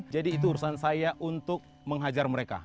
jadi itu urusan saya untuk menghajar mereka